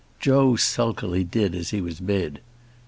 Joe sulkily did as he was bid.